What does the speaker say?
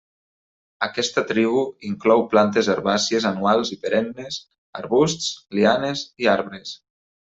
Aquesta tribu inclou plantes herbàcies anuals i perennes, arbusts, lianes i arbres.